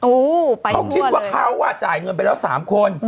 อู้วไปทั่วเลยเขาคิดว่าเขาอ่ะจ่ายเงินไปแล้ว๓คน